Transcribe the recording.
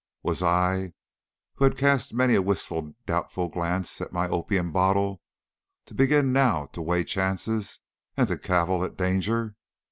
Was I, who had cast many a wistful, doubtful glance at my opium bottle, to begin now to weigh chances and to cavil at danger.